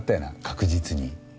確実に。